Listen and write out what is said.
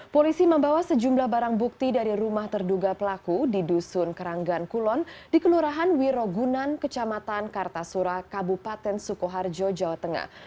polisi membawa sejumlah barang bukti dari rumah terduga pelaku di dusun keranggan kulon di kelurahan wirogunan kecamatan kartasura kabupaten sukoharjo jawa tengah